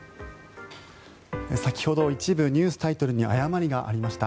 先ほど一部ニュースタイトルに誤りがありました。